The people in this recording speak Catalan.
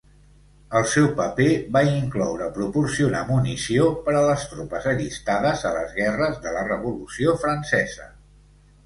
El seu paper va incloure proporcionar munició per a les tropes allistades a les guerres de la Revolució Francesa.